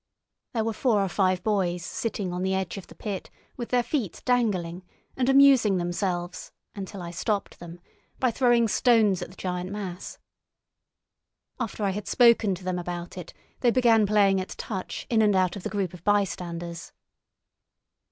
There were four or five boys sitting on the edge of the Pit, with their feet dangling, and amusing themselves—until I stopped them—by throwing stones at the giant mass. After I had spoken to them about it, they began playing at "touch" in and out of the group of bystanders.